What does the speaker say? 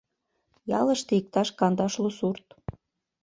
Ялыште иктаж кандашлу сурт.